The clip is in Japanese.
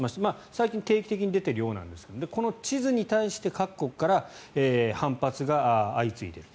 最近、定期的に出ているようなんですがこの地図に対して各国から反発が相次いでいる。